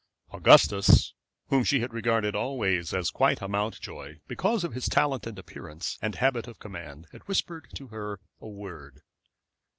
Augustus, whom she had regarded always as quite a Mountjoy, because of his talent, and appearance, and habit of command, had whispered to her a word.